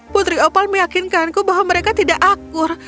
putri opal meyakinkanku bahwa mereka tidak akur